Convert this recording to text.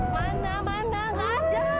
mana mana nggak ada